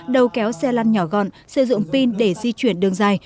đầu kéo xe lăn nhỏ gọn sử dụng pin để di chuyển đường dài